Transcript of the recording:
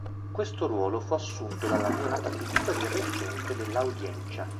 Questo ruolo fu assunto dalla neonata figura di reggente dell'audiencia.